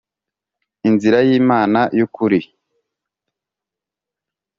Inzira y imana y ukuri